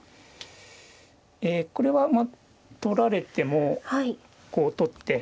えこれはもう取られてもこう取って。